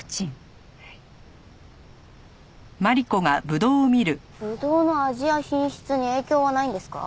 ぶどうの味や品質に影響はないんですか？